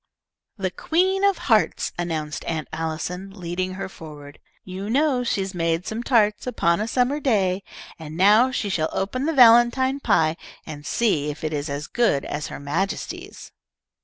"The Queen of Hearts," announced Aunt Allison, leading her forward. "You know 'she made some tarts, upon a summer day,' and now she shall open the valentine pie and see if it is as good as her Majesty's."